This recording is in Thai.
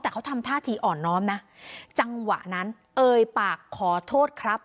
แต่เขาทำท่าทีอ่อนน้อมนะจังหวะนั้นเอ่ยปากขอโทษครับ